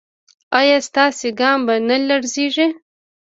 ایا ستاسو ګام به نه لړزیږي؟